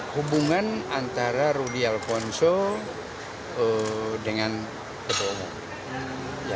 hubungan antara rudy alfonso dengan ketua bidang hukum